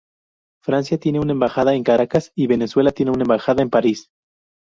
Francia tiene una embajada en Caracas y Venezuela tiene una embajada en París.